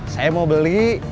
saya mau beli